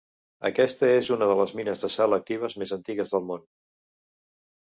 Aquesta és una de les mines de sal actives més antigues del món.